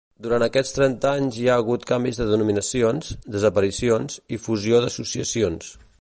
Durant aquests trenta anys hi ha hagut canvis de denominacions, desaparicions i fusió d'associacions.